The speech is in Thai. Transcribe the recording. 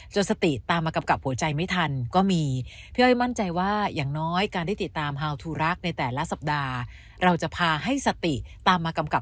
จนสติตามมากำกับหัวใจไม่ทันก็มีพี่อ้อยมั่นใจว่าอย่างน้อยการได้ติดตาม